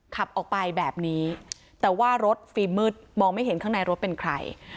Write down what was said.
ขับออกไปแบบนี้แต่ว่ารถฟิล์มมืดมองไม่เห็นข้างในรถเป็นใคร